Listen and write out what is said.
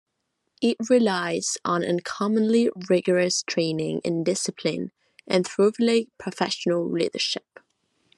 It relies on uncommonly rigorous training and discipline and thoroughly professional leadership.